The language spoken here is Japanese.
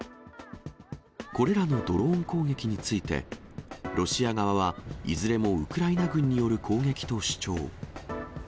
これらのドローン攻撃について、ロシア側はいずれもウクライナ軍による攻撃と主張。